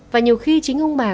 và nhiều khi chính ông bà